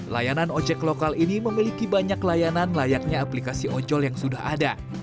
layanan ojek lokal ini memiliki banyak layanan layaknya aplikasi ojol yang sudah ada